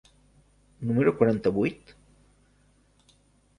número quaranta-vuit?